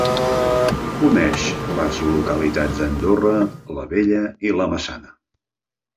Uneix les localitats d'Andorra la Vella i La Massana.